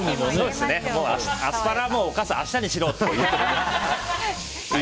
アスパラはお母さん明日にしろって。